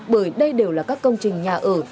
bởi đây đều là các công trình nhà ở